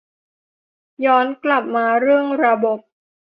ย้อนกับมาเรื่องระบบ